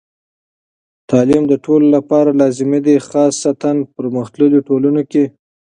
تعلیم د ټولو لپاره لازمي دی، خاصتاً پرمختللو ټولنو کې.